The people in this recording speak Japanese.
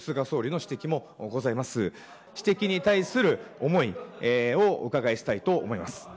指摘に対する思いをお伺いしたいと思います。